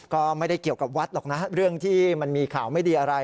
ก็ไม่ได้เกี่ยวกับวัดหรอกนะเรื่องที่มันมีข่าวไม่ดีอะไร